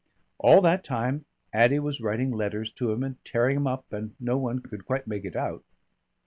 All that time Addy was writing letters to him and tearing 'em up, and no one could quite make it out.